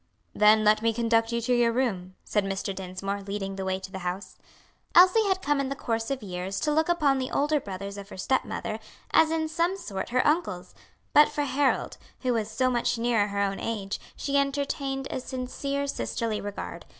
"Then let me conduct you to your room," said Mr. Dinsmore, leading the way to the house. Elsie had come in the course of years to look upon the older brothers of her stepmother as in some sort her uncles, but for Harold, who was so much nearer her own age, she entertained a sincere sisterly regard.